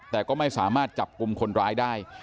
แต่ก็ไม่สามารถจับกลุ่มคนร้ายได้